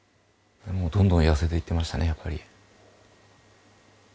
どんどん痩せていってましたねやっぱり。